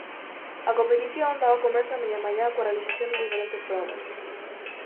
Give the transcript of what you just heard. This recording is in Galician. A competición daba comezo a media mañá coa realización de diferentes probas.